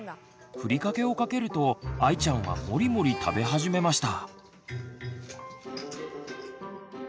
ふりかけをかけるとあいちゃんはもりもり食べ始めました。